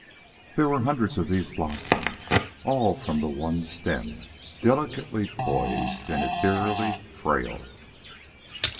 There were hundreds of these blossoms, all from the one stem, delicately poised and ethereally frail.